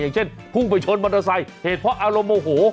อย่างเช่นพุ่งไปชนมอเตอร์ไซค์เหตุเพราะอารมณ์โมโห